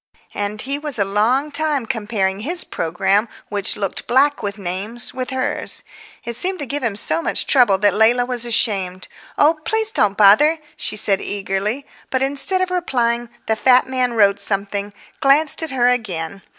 And he was a long time comparing his programme, which looked black with names, with hers. It seemed to give him so much trouble that Leila was ashamed. "Oh, please don't bother," she said eagerly. But instead of replying the fat man wrote something, glanced at her again.